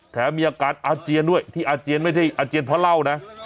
แถมมีอาการอาเจียนด้วยที่อาเจียนไม่ได้อาเจียนเพราะเหล้านะ